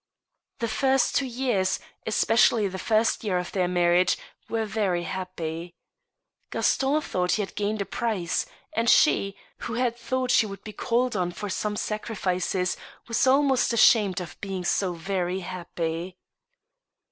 The first two years, especially the first year of their marriage, were very happy. Gaston thought he had gained a prize ; and she, who had thought she would be called on for some sacrifices, was almost ashamed of being so very happy.